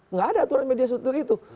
nggak ada aturan mediasi untuk itu